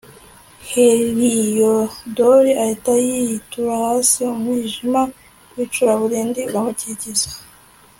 heliyodori ahita yitura hasi, umwijima w'icuraburindi uramukikiza